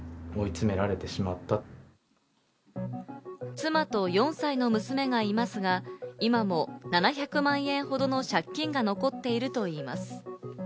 妻と４歳の娘がいますが、今も７００万円ほどの借金が残っているといいます。